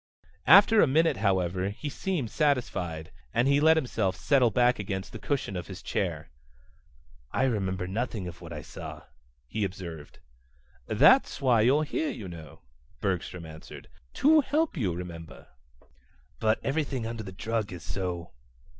After a minute, however, he seemed satisfied, and he let himself settle back against the cushion of his chair. "I remember nothing of what I saw," he observed. "That's why you're here, you know," Bergstrom answered. "To help you remember." "But everything under the drug is so